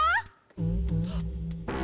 はっ！